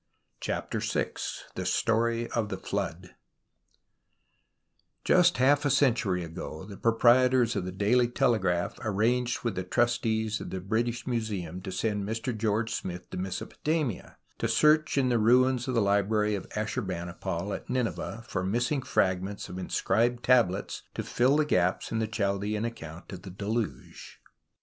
CHAPTER VI THE STORY OF THE FLOOD Just half a century ago ^ the proprietors of 'JVie Daily Telegraph arranged with the Trustees of the British INIuseuni to send ]Mr George Smith to Mesopotamia to search in the ruins of the hbrary of Ashur bani pal at Nineveh for missing fragments of inscribed tablets to fill the gaps in the Chaldean Account of the Deluge.